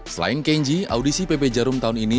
selain kenji audisi pb jarum tahun ini